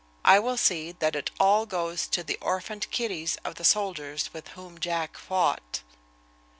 I will see that it all goes to the orphaned kiddies of the soldiers with whom Jack fought."